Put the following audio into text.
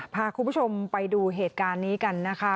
พาคุณผู้ชมไปดูเหตุการณ์นี้กันนะคะ